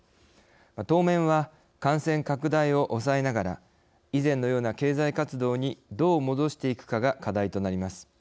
当面は感染拡大を抑えながら以前の様な経済活動にどう戻していくかが課題となります。